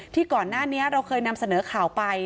ก่อนหน้านี้เราเคยนำเสนอข่าวไป